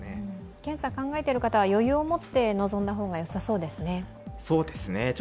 検査を考えている方は余裕を持って臨んだ方がよさそうですね。